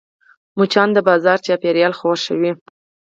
مچان د بازار چاپېریال خوښوي